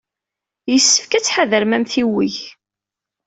Yessefk ad tḥadrem amtiweg.